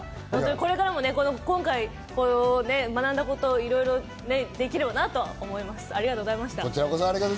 これからも今回、学んだことをいろいろできればなと思います。